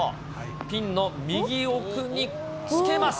ピンの右奥につけます。